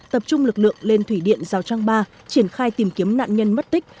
tập trung lực lượng lên thủy điện giao trang ba triển khai tìm kiếm nạn nhân mất tích